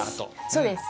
そうです。